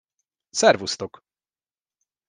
Szervusztok!